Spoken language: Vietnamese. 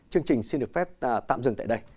chương trình xin được phép tạm dừng tại đây